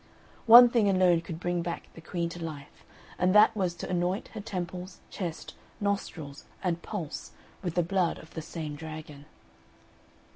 One thing alone could bring back the Queen to life, and that was to anoint her temples, chest, nostrils, and pulse with the blood of the same dragon.